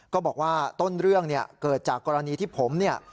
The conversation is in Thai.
ก็บอกว่าต้นเรื่องเนี่ยเกิดจากกรณีที่ผมเนี่ย